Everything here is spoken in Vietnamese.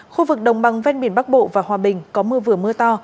khu vực đồng bằng ven biển bắc bộ và hòa bình có mưa vừa mưa to